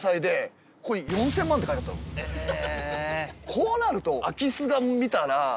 こうなると。